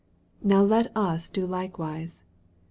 Now let us do likewise.